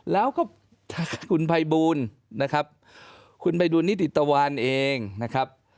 แล้วก็คุณภัยบูรณ์นะครับคุณภัยบูรณ์นิติตวรรณเองนะครับ